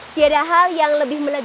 tidak ada hal yang lebih penting